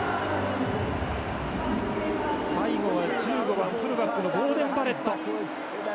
最後は１５番、フルバックのボーデン・バレット。